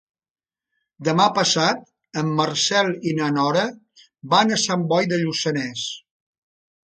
Demà passat en Marcel i na Nora van a Sant Boi de Lluçanès.